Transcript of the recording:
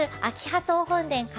総本殿・可